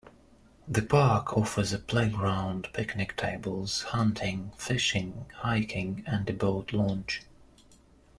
The park offers a playground, picnic tables, hunting, fishing, hiking and a boat launch.